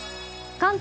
関東